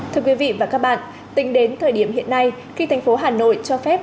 thưa quý vị và các bạn tính đến thời điểm hiện nay khi tp hà nội cho phép